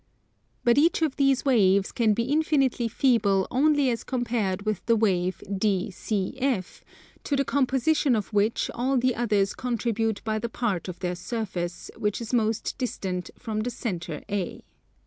But each of these waves can be infinitely feeble only as compared with the wave DCF, to the composition of which all the others contribute by the part of their surface which is most distant from the centre A.